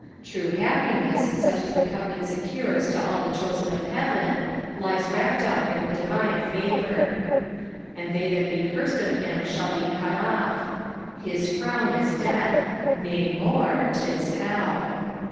True happineaa, such as the covenant secures to all the chosen of heaven, lies wrapped up m the divine favour " And they that he caned of Aim thidl be cut off," His frown is death : nay, more, 'tis hell.